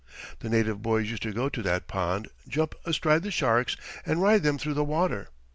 The native boys used to go to that pond, jump astride the sharks and ride them through the water.